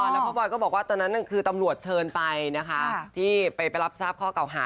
แล้วพ่อบอยก็บอกว่าตอนนั้นคือตำรวจเชิญไปนะคะที่ไปรับทราบข้อเก่าหา